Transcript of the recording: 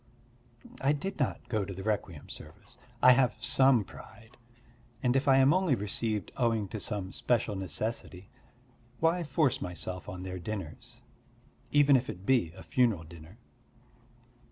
I did not go to the requiem service. I have some pride, and if I am only received owing to some special necessity, why force myself on their dinners, even if it be a funeral dinner.